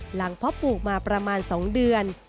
เพาะปลูกมาประมาณ๒เดือน